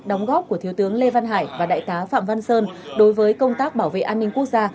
đóng góp của thiếu tướng lê văn hải và đại tá phạm văn sơn đối với công tác bảo vệ an ninh quốc gia